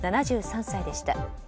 ７３歳でした。